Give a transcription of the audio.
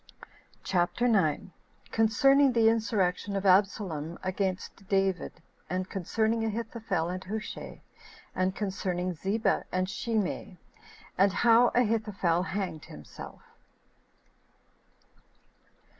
CHAPTER 9. Concerning The Insurrection Of Absalom Against David And Concerning Ahithophel And Hushai; And Concerning Ziba And Shimei; And How Ahithophel Hanged Himself.